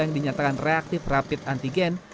yang dinyatakan reaktif rapid antigen